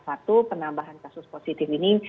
satu penambahan kasus positif ini